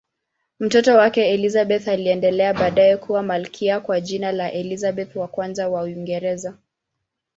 Mtoto wake Elizabeth aliendelea baadaye kuwa malkia kwa jina la Elizabeth I wa Uingereza.